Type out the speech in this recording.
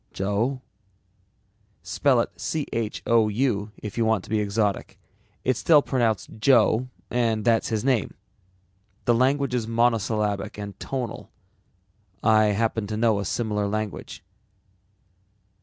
"Joe?" "Spell it Chou if you want to be exotic. It's still pronounced Joe and that's his name. The language is monosyllabic and tonal. I happen to know a similar language."